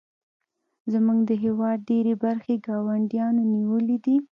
زموږ د هیواد ډیرې برخې ګاونډیانو نیولې دي